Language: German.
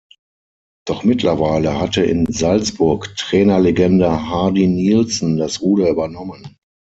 Doch mittlerweile hatte in Salzburg Trainerlegende Hardy Nilsson das Ruder übernommen.